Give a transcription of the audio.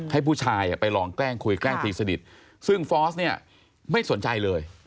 ให้ผู้ชายไปลองแกล้งคุยแกล้งตีสนิทซึ่งฟอร์สเนี่ยไม่สนใจเลย